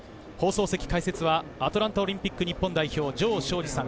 解説はアトランタオリンピック日本代表・城彰二さん。